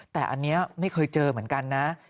แต่อันนี้ไม่เคยเจอเหมือนกันนะ